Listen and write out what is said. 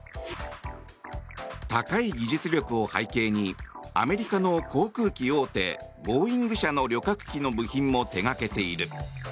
高い技術力を背景にアメリカの航空機大手ボーイング社の旅客機の部品も手掛けている。